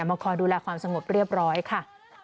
มาคอยดูแลความสงบเรียบร้อยค่ะ